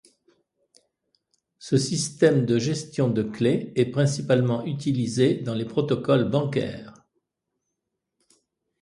Ce système de gestion de clé est principalement utilisé dans les protocoles bancaires.